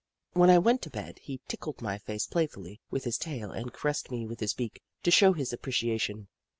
When I went to bed, he tickled my face playfully with his tail and caressed me with his beak, to show his appreciation.